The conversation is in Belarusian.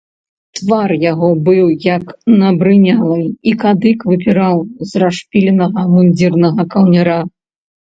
Твар яго быў як набрынялы, і кадык выпіраў з расшпіленага мундзірнага каўняра.